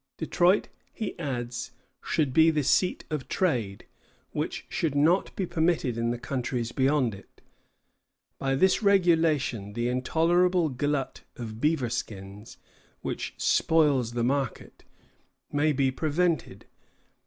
Detroit, he adds, should be the seat of trade, which should not be permitted in the countries beyond it. By this regulation the intolerable glut of beaver skins, which spoils the market, may be prevented.